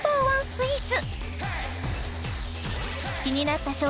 スイーツ